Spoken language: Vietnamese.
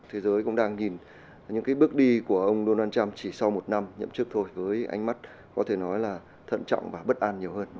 thế giới cũng đang nhìn những cái bước đi của ông donald trump chỉ sau một năm nhậm chức thôi với anh mắt có thể nói là thận trọng và bất an nhiều hơn